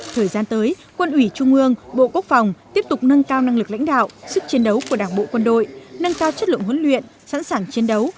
thời gian tới quân ủy trung ương bộ quốc phòng tiếp tục nâng cao năng lực lãnh đạo sức chiến đấu của đảng bộ quân đội nâng cao chất lượng huấn luyện sẵn sàng chiến đấu